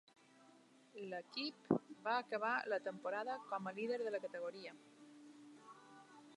L'equip va acabar la temporada com a líder de la categoria.